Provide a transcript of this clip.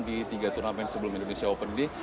di tiga turnamen sebelum indonesia open day